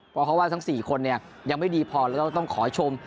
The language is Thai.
เพราะเขาว่าทั้ง๔คนยังไม่ดีพอแล้วต้องขอชม